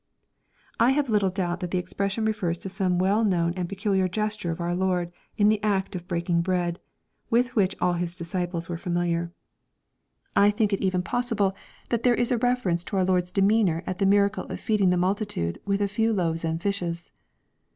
I have little doubt that the expression refers to some well known and peculiar gesture of our Lord in the act of breaking bread, with whiich all His disjiples were familiar. I think it even LUKE, CHAP. XXiV. 507 possible that there is a reference to our Lord's lemeanor at the miracle of feeding the multitude with a few loaves and fishes.